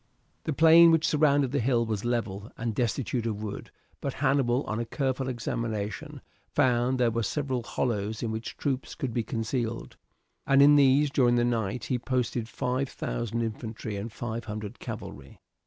The plain which surrounded the hill was level and destitute of wood, but Hannibal on a careful examination found that there were several hollows in which troops could be concealed, and in these during the night he posted five thousand infantry and five hundred cavalry.